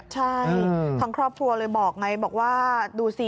ใช่ทางครอบครัวเลยบอกไงบอกว่าดูสิ